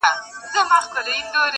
زه په تا پسي ځان نه سم رسولای -